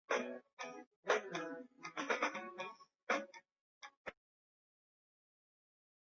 子裴栻是成泰十年进士。